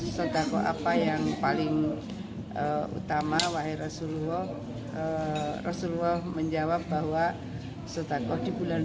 sodako apa yang paling utama wahai rasulullah rasulullah menjawab bahwa sodakoh di bulan